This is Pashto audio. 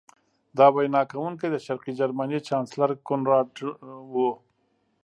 دا وینا کوونکی د شرقي جرمني چانسلر کونراډ و